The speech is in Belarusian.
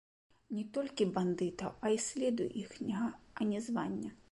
Не толькі бандытаў, а й следу іхняга ані звання.